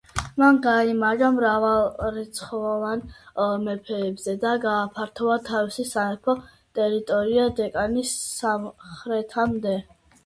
მან გაიმარჯვა მრავალრიცხოვან მეფეებზე და გააფართოვა თავისი სამეფოს ტერიტორია დეკანის სამხრეთამდე.